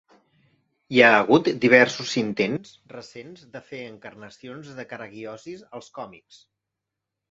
Hi ha hagut diversos intents recents de fer encarnacions de Karagiozis als còmics.